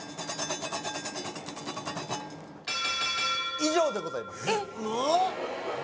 以上でございますえっ？